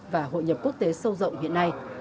và hội nhập quốc tế sâu rộng hiện nay